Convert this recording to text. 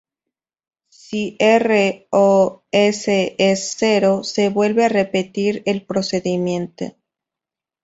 Si r ó s es cero, se vuelve a repetir el procedimiento.